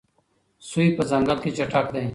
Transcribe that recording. سوی په ځنګل کې چټک دی.